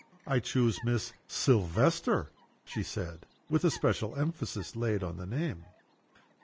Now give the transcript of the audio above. "I choose Miss Silvester," she said with a special emphasis laid on the name.